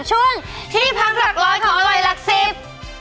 ช่วงที่พักหลักร้อยของอร่อยหลักสิบ